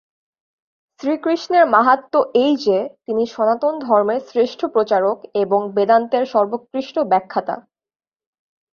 শ্রীকৃষ্ণের মাহাত্ম্য এই যে, তিনি সনাতন ধর্মের শ্রেষ্ঠ প্রচারক এবং বেদান্তের সর্বোৎকৃষ্ট ব্যাখ্যাতা।